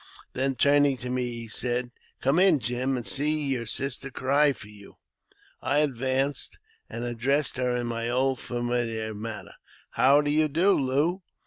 Then turning to me, he said, " Come in, Jim, and see your sister cry for you." I advanced, and addressed her in my old famihar manner, '' How do you do, Lou